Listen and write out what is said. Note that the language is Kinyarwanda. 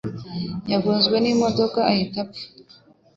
Yagonzwe n'imodoka ahita apfa.